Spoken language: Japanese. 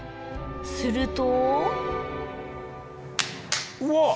するとうわっ！